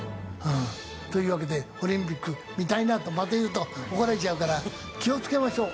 というわけでオリンピック見たいなとまた言うと怒られちゃうから気を付けましょう。